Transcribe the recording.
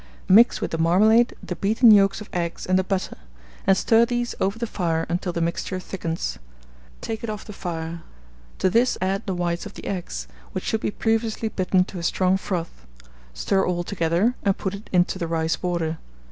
Mix with the marmalade the beaten yolks of eggs and the butter, and stir these over the fire until the mixture thickens. Take it off the fire; to this add the whites of the eggs, which should be previously beaten to a strong froth; stir all together, and put it into the rice border.